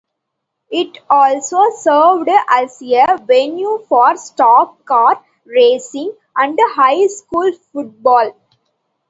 It also served as a venue for stock car racing and high school football.